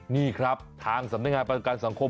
นี่ครับทางสำนักงานประกันสังคม